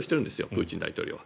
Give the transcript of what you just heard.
プーチン大統領は。